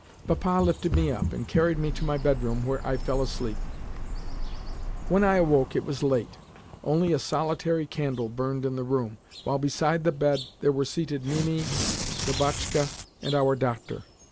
Papa lifted me up, and carried me to my bedroom, where I fell asleep. When I awoke it was late. Only a solitary candle burned in the room, while beside the bed there were seated Mimi, Lubotshka, and our doctor.